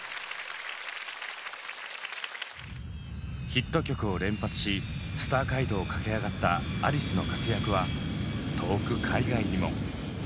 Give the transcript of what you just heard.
ヒット曲を連発しスター街道を駆け上がったアリスの活躍は遠く海外にも。